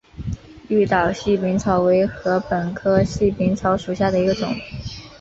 绿岛细柄草为禾本科细柄草属下的一个种。